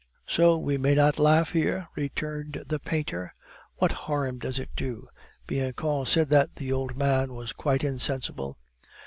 "So we may not laugh here?" returned the painter. "What harm does it do? Bianchon said that the old man was quite insensible."